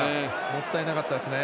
もったいなかったですね。